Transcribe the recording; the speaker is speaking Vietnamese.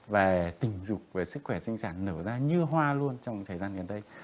và tình dục và sức khỏe sinh sản nở ra như hoa luôn trong thời gian gần đây